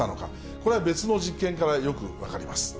これは別の実験からよく分かります。